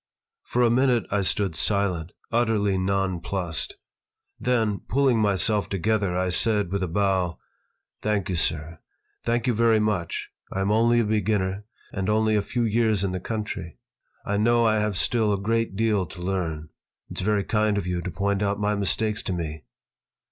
For a minute I stood silent, utterly nonplussed. Then, pulling myself together, I said, with a bow: "Thank you, sir. Thank you very much. I am only a beginner, and only a few years in the country. I know I have still a great deal to learn. It's very kind of you to point out my mistakes to me.